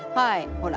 ほら。